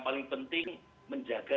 paling penting menjaga